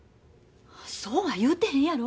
そうは言うてへんやろ。